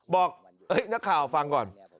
บอกนักข่าวฟังก่อน